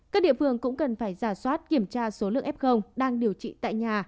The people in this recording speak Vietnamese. các địa phương cũng cần phải giả soát kiểm tra số lượng f đang điều trị tại nhà